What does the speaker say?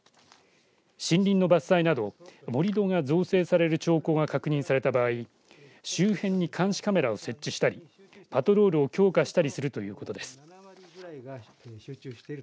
森林の伐採など盛り土が造成される兆候が確認された場合周辺に監視カメラを設置したりパトロールを強化したりするということです。